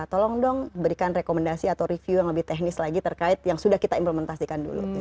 tolong dong berikan rekomendasi atau review yang lebih teknis lagi terkait yang sudah kita implementasikan dulu